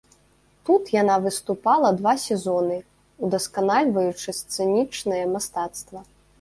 Тут яна выступала два сезоны, удасканальваючы сцэнічнае мастацтва.